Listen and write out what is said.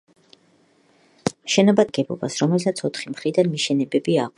შენობა წარმოადგენს ორსართულიან ნაგებობას, რომელსაც ოთხი მხრიდან მიშენებები აქვს.